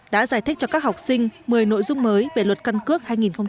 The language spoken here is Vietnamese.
đã giải thích cho các học sinh một mươi nội dung mới về luật căn cước hai nghìn hai mươi ba